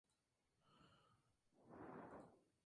Su primer tema es "Maxwell House".